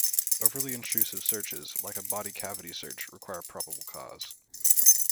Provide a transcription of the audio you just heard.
Overly intrusive searches, like a body cavity search, require probable cause.